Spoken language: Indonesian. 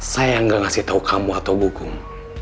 saya yang gak ngasih tahu kamu atau bukung